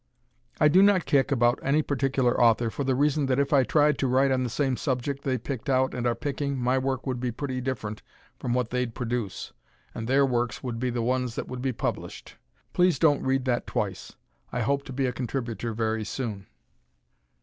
I do not kick about any particular author for the reason that if I tried to write on the same subject they picked out and are picking, my work would be pretty different from what they'd produce, and their works would be the ones that would be published. Please don't read that twice; I hope to be a contributor very soon.